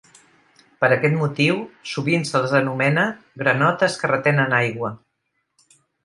Per aquest motiu sovint se les anomena "granotes que retenen aigua".